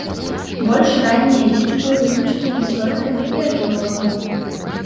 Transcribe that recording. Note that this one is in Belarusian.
Больш раннія лічбы вылічаны гісторыкамі і археолагамі.